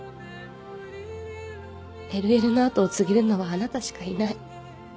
ＬＬ の後を継げるのはあなたしかいない